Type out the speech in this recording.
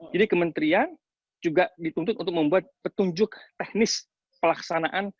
jadi kementerian juga dituntut untuk membuat petunjuk teknis pelaksanaan